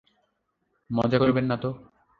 মজা করবেন নাতো!